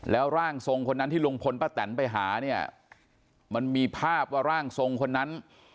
แล้วร่างทรงคนนั้นที่ลุงพลป้าแตนไปหาเนี่ยมันมีภาพว่าร่างทรงคนนั้น